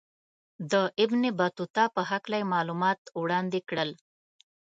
د ابن بطوطه په هکله یې معلومات وړاندې کړل.